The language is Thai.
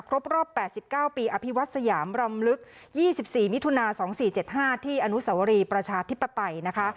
ครบรอบ๘๙ปีอภิวัตสยามรำลึก๒๔มิถุนา๒๔๗๕ที่อนุสวรีประชาธิปไตยนะคะ